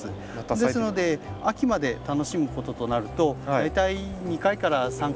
ですので秋まで楽しむこととなると大体２回から３回。